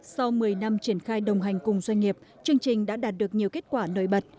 sau một mươi năm triển khai đồng hành cùng doanh nghiệp chương trình đã đạt được nhiều kết quả nổi bật